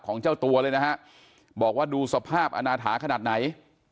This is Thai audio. เจ้าตัวเลยนะฮะบอกว่าดูสภาพอนาถาขนาดไหน